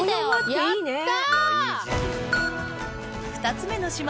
やった！